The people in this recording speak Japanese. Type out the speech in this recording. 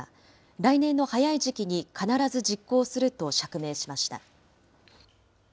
来年の早い時期に必ず実行すると釈明しました。